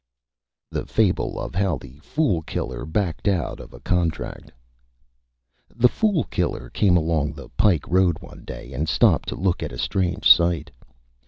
_ THE FABLE OF HOW THE FOOL KILLER BACKED OUT OF A CONTRACT The Fool Killer came along the Pike Road one Day and stopped to look at a Strange Sight.